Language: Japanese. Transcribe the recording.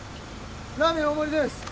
ラーメン大盛りです。